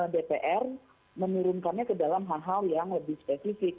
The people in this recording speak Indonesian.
dpr menurunkannya ke dalam hal hal yang lebih spesifik